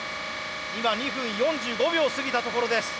今２分４５秒を過ぎたところです。